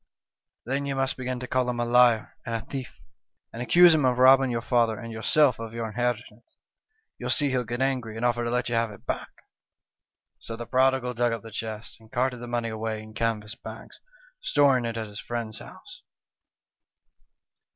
Then you must begin to call him a liar and a thief, and accuse him of robbing your father and yourself of your inheritance. You'll The Story of John o' Groats. 65 see he'll get angry, and offer to let you have it back.' " So the prodigal dug up the chests, and carted the money away in canvas bags, storing it at his friend's house.